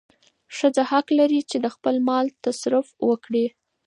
ښځه حق لري چې د خپل مال تصرف وکړي.